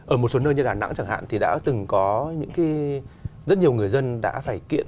ở một số nơi như đà nẵng chẳng hạn thì đã từng có những cái rất nhiều người dân đã phải kiện